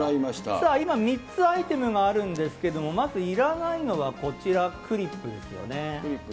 さあ、今３つアイテムがあるんですけれども、まずいらないのは、こちら、クリップですよね。